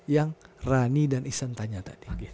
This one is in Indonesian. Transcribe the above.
yang rani dan isan tanya tadi